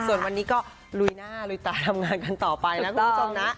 ส่วนวันนี้ก็ลุยหน้าลุยตาทำงานกันต่อไปนะคุณผู้ชมนะ